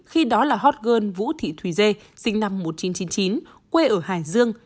khi đó là hot girl vũ thị thùy dê sinh năm một nghìn chín trăm chín mươi chín quê ở hải dương